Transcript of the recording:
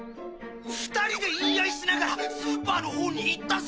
２人で言い合いしながらスーパーのほうに行ったぞ。